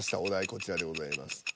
こちらでございます。